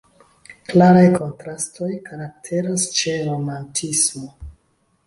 Klaraj kontrastoj karakteras ĉe romantismo.